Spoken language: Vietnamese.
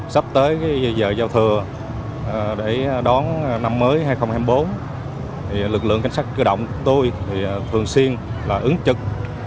sắp tới giờ giao thừa để đón năm mới hai nghìn hai mươi bốn lực lượng cảnh sát cửa động tôi thường xuyên ứng trực